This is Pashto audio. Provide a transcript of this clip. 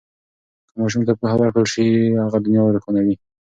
که ماشوم ته پوهه ورکړل شي، هغه دنیا روښانوي.